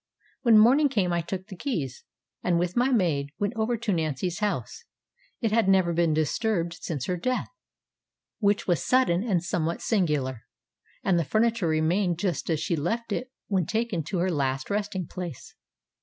When morning came I took the keys, and, with my maid, went over to NancyŌĆÖs house. It had never been disturbed since her death, which was sudden and somewhat singular, and the furniture remained just as she left it when taken to her last resting place.